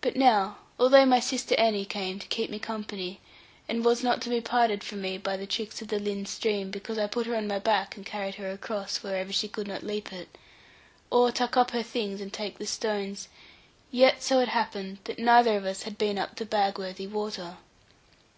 But now, although my sister Annie came to keep me company, and was not to be parted from me by the tricks of the Lynn stream, because I put her on my back and carried her across, whenever she could not leap it, or tuck up her things and take the stones; yet so it happened that neither of us had been up the Bagworthy water.